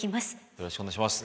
よろしくお願いします。